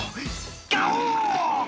「ガオ！」